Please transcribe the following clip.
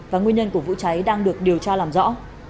và nguyên nhân của vụ cháy đang được điều tra làm rõ